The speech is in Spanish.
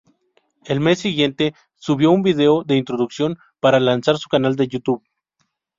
El mes siguiente subió un video de introducción para lanzar su canal de YouTube.